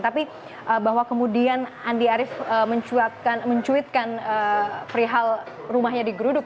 tapi bahwa kemudian andi arief mencuat mencuitkan perihal rumahnya digeruduk